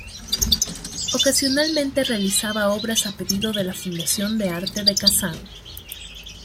Ocasionalmente realizaba obras a pedido de la Fundación de Arte de Kazán.